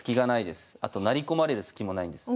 あと成り込まれるスキもないんです。